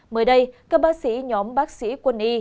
mới đây các bác sĩ nhóm bác sĩ quân y